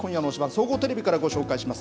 総合テレビからご紹介します。